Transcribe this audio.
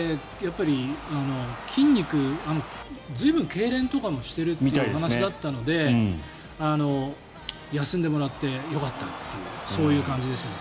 筋肉、随分けいれんとかもしているというような話だったので休んでもらってよかったっていうそういう感じですね。